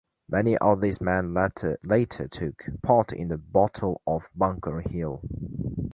Many of these men later took part in the Battle of Bunker Hill.